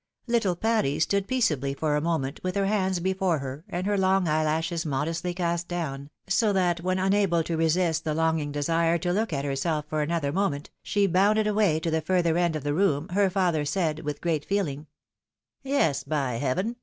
Little Patty stood peaceably for a moment, with her hands 44 THE WIDOW MARRIED. before her, and her long eyelaslies modestly cast down, so that when unable to resist the longing desire to look at herself for another moment, she bounded away to the further end of the room, her father said, with great feeling, " Yes 1 by heaven